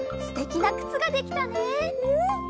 すてきなくつができたね。